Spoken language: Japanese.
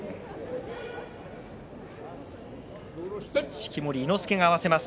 式守伊之助が合わせます。